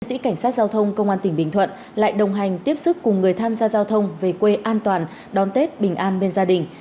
sĩ cảnh sát giao thông công an tỉnh bình thuận lại đồng hành tiếp xúc cùng người tham gia giao thông về quê an toàn đón tết bình an bên gia đình